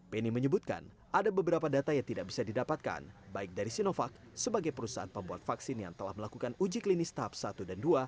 penny menyebutkan ada beberapa data yang tidak bisa didapatkan baik dari sinovac sebagai perusahaan pembuat vaksin yang telah melakukan uji klinis tahap satu dan dua